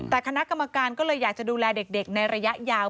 แต่คณะกรรมการก็เลยอยากจะดูแลเด็กในระยะยาว